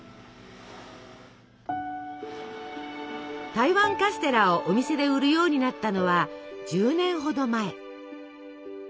台湾カステラをお店で売るようになったのは１０年ほど前。